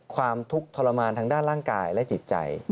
ความทุกข์ทรมานทางด้านร่างกายและจิตใจ